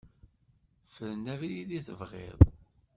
Fren abrid i tebɣiḍ.